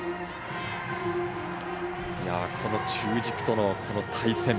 この中軸との対戦。